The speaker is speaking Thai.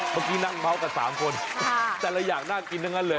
เมื่อกี้นั่งเมาส์กับ๓คนแต่ละอย่างน่ากินทั้งนั้นเลย